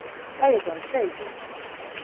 ¡Vaia consello!